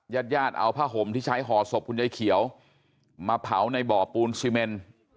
ญาติญาติเอาผ้าห่มที่ใช้ห่อศพคุณยายเขียวมาเผาในบ่อปูนซีเมน